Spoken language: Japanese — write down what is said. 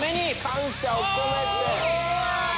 感謝を込めて！